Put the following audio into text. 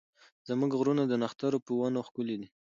زموږ غرونه د نښترو په ونو ښکلي دي.